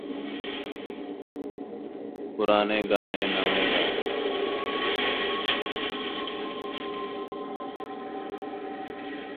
She attended the Professional Children's School in Manhattan.